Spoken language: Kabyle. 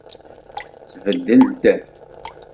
Tbeddel-d.